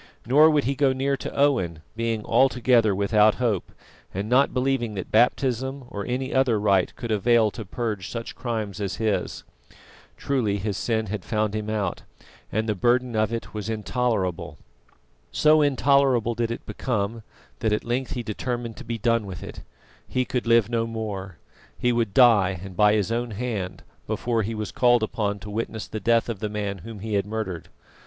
Nor would he go near to Owen, being altogether without hope, and not believing that baptism or any other rite could avail to purge such crimes as his. Truly his sin had found him out, and the burden of it was intolerable. So intolerable did it become, that at length he determined to be done with it. He could live no more. He would die, and by his own hand, before he was called upon to witness the death of the man whom he had murdered.